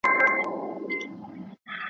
بيزو وان كړې په نكاح څلور بيبياني.